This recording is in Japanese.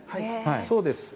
そうです。